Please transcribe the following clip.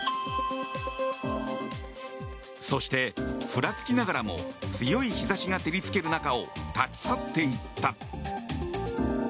そして、ふらつきながらも強い日差しが照り付ける中を立ち去っていった。